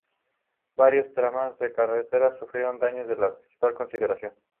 Varios tramos de carretera sufrieron daños de distinta consideración.